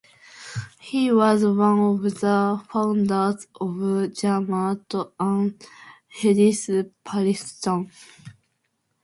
He was one of the founders of Jamaat Ahle hadith Pakistan.